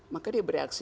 maka dia bereaksi